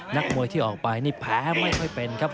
นักมวยที่ออกไปนี่แพ้ไม่ค่อยเป็นครับ